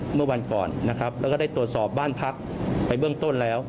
เมื่อวันก่อนนะครับแล้วก็ได้ตรวจสอบบ้านพักไปเบื้องต้นแล้ว